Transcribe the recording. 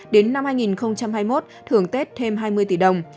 đến năm hai nghìn hai mươi một thường tết thêm hai mươi tỷ đồng